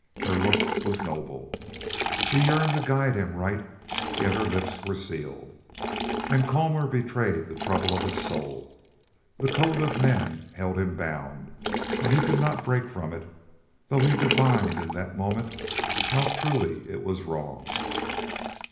Her look was noble. She yearned to guide him right, yet her lips were sealed. And Colmor betrayed the trouble of his soul. The code of men held him bound, and he could not break from it, though he divined in that moment how truly it was wrong.